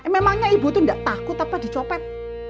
pak emangnya ibu tuh gak takut apa dicopet